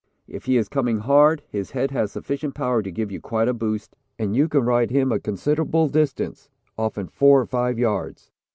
If he is coming hard, his head has sufficient power to give you quite a boost, and you can 'ride him' a considerable distance often four or five yards.